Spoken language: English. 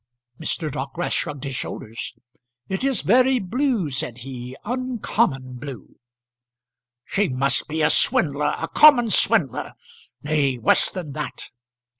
Mr. Dockwrath shrugged his shoulders. "It is very blue," said he, "uncommon blue." "She must be a swindler; a common swindler. Nay, worse than that."